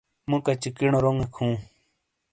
مو کچی کینو رونگیک ہوں.